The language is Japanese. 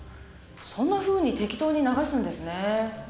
そんなふうに適当に流すんですね。